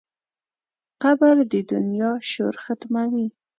قبر د دنیا شور ختموي.